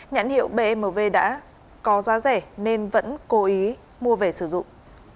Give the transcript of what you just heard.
nhãn hiệu bmw đã có giá rẻ nên vẫn cố ý mua về sử dụng